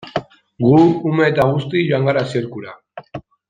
Gu ume eta guzti joan gara zirkura.